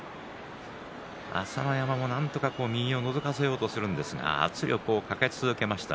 朝乃山もなんとか右をのぞかせようとするんですが圧力をかけ続けました。